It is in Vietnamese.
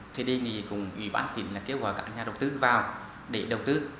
thì đề nghị cùng ủy ban tỉnh là kêu gọi các nhà đầu tư vào để đầu tư